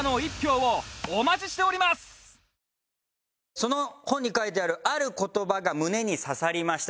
その本に書いてあるある言葉が胸に刺さりました。